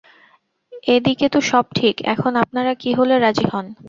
এ দিকে তো সব ঠিক– এখন আপনারা কী হলে রাজি হন?